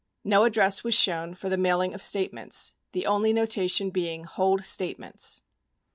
No address was shown for the mailing of statements — the only notation being "Hold Statements."